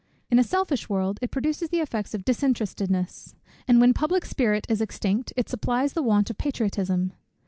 In a selfish world it produces the effects of disinterestedness, and when public spirit is extinct, it supplies the want of patriotism.